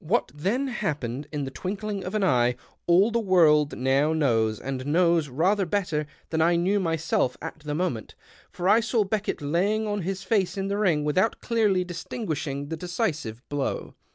NN'liat then happened, in the twinkling of an eye, all the world now knows, and knows rather better 82 DR. JOHNSON AT THE STADIUM than I knew myself at the moment, for I saw Beckett lying on his face in the ring without clearly distinguishing tlie decisive blow.